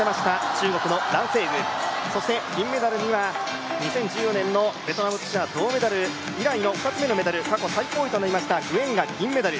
中国の蘭星宇そして銀メダルには２０１４年のベトナム銅メダル以来の２つ目のメダル、過去最高となりましたグエンが銀メダル。